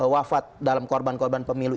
wafat dalam korban korban pemilu